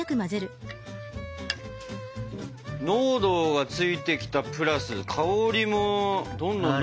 濃度がついてきたプラス香りもどんどんどんどん。